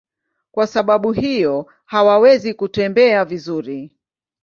Kwa sababu hiyo hawawezi kutembea vizuri.